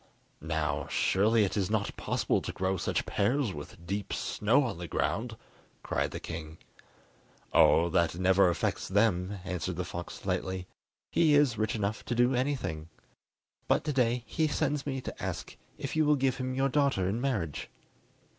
"Now, surely it is not possible to grow such pears with deep snow on the ground?" cried the king. "Oh, that never affects them," answered the fox lightly; "he is rich enough to do anything. But to day he sends me to ask if you will give him your daughter in marriage?"